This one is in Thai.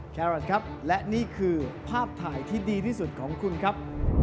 แครอทครับและนี่คือภาพถ่ายที่ดีที่สุดของคุณครับ